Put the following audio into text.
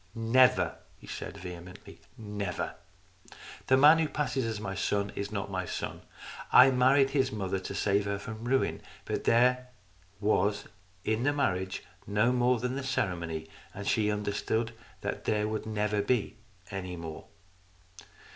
" Never," he said vehemently, " never ! The man who passes as my son is not my son. I married his mother to save her from ruin, but there was in the marriage no more than the ceremony, and she understood that there never would be any more."